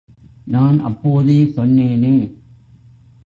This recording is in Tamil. நான் அப்போதே சொன்னேனே!